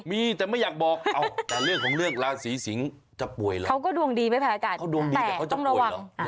มีแต่ไม่อยากบอกเอาแต่เรื่องของเรื่องราศีสิงค์จะป่วยหรอเขาก็ดวงดีไหมพระอาจารย์แต่ต้องระวัง